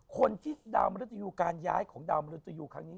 คนที่ดาวมริตยูการย้ายของดาวมนุษยูครั้งนี้